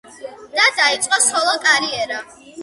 და დაიწყო სოლო-კარიერა.